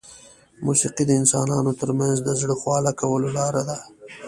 موسیقي د انسانانو ترمنځ د زړه خواله کولو لاره ده.